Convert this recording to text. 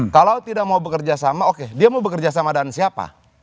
kalau tidak mau bekerja sama oke dia mau bekerja sama dengan siapa